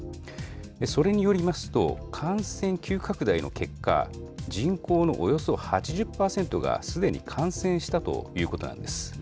それによりますと、感染急拡大の結果、人口のおよそ８０％が、すでに感染したということなんです。